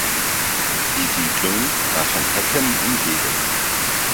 Die Siedlung war von Hecken umgeben.